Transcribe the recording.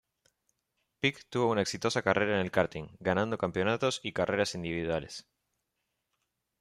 Pic tuvo una exitosa carrera en el karting, ganando campeonatos y carreras individuales.